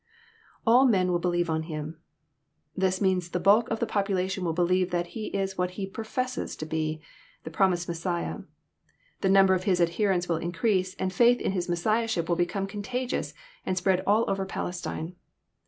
lAU men will believe on himJ] This means the bnlk of the population will believe that He is what He professes to be, — the promised Messiah. The namber of His adherents will increase, and faith in His Messiahship will become contagions, and spread all over Palestine.